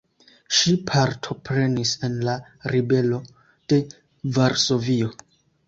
Ŝi partoprenis en la ribelo de Varsovio.